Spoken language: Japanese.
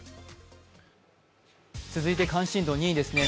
続いて関心度代２位ですね。